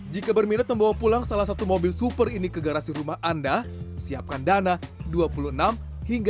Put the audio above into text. jika berminat membawa pulang salah satu mobil yang diperkenalkan chiron akan menerima kembali ke dunia